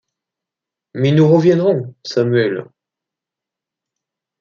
Mais nous reviendrons, Samuel.